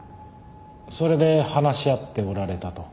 それで話し合っておられたと。